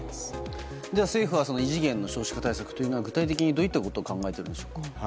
政府は異次元の少子化対策というのは具体的にどういったことを考えているんですか？